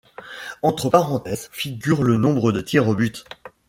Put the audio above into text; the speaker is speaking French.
Entre parenthèses, figure le nombre de tirs au but.